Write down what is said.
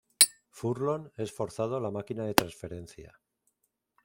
Furlong, es forzado a la máquina de transferencia.